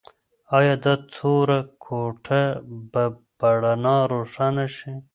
ایا دا توره کوټه به په رڼا روښانه شي؟